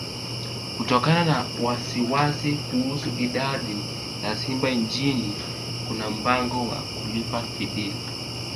Kutokana na wasiwasi kuhusu idadi ya simba nchini kuna mpango wa kulipa fidia